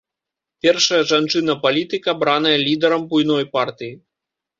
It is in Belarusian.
Першая жанчына-палітык абраная лідарам буйной партыі.